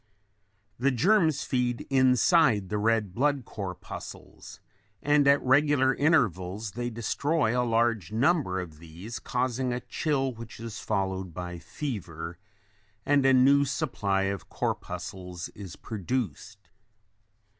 The germs feed inside the red blood corpuscles and at regular intervals they destroy a large number of these causing a chill which is followed by fever and a new supply of corpuscles is produced.